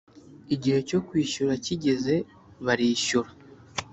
igihe cyo kwishyura kigeze bari shyura